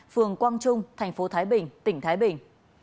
phường quang trung tp thái bình tỉnh thái bình